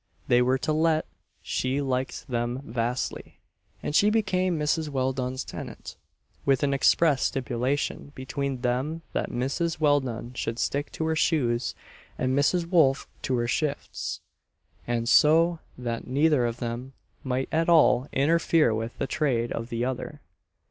They were to let, she liked them vastly, and she became Mrs. Welldone's tenant with an express stipulation between them that Mrs. Welldone should stick to her shoes, and Mrs. Wolf to her shifts, &c. so that neither of them might at all interfere with the trade of the other.